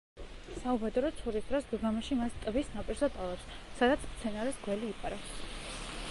საუბედუროდ, ცურვის დროს, გილგამეში მას ტბის ნაპირზე ტოვებს, სადაც მცენარეს გველი იპარავს.